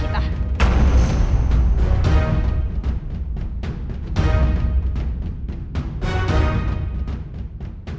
kita harus jemput dia ke rumah